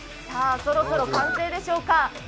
そろそろ完成でしょうか。